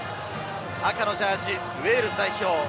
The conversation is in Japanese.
赤のジャージー、ウェールズ代表。